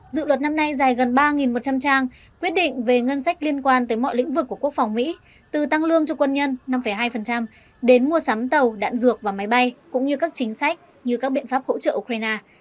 dự luật năm nay dài gần ba một trăm linh trang quyết định về ngân sách liên quan tới mọi lĩnh vực của quốc phòng mỹ từ tăng lương cho quân nhân năm hai đến mua sắm tàu đạn dược và máy bay cũng như các chính sách như các biện pháp hỗ trợ ukraine